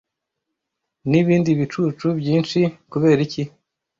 nibindi bicucu byinshi. Kubera iki?